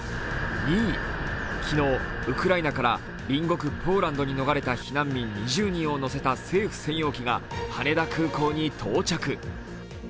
昨日、ウクライナから隣国ポーランドに逃れた避難民２０人を乗せた政府専用機が羽田空港に到着。